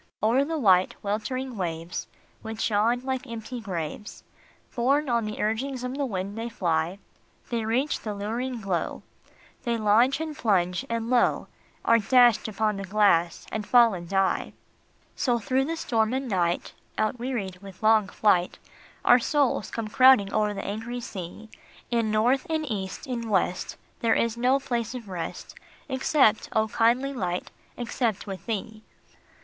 O er the white, weltering waves, Which yawn like empty graves, Borne on the urgings of the wind, they fly ; They reach the luring glow, They launch and plunge, and lo ! Are dashed upon the glass, and fall and die. THE TRUE LIGHT. 229 So through the storm and night, Outwearied with long flight, Our souls come crowding o er the angry sea. In North, in East, in West, There is no place of rest, Except, O kindly Light, except with thee.